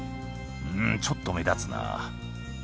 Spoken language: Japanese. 「うんちょっと目立つな」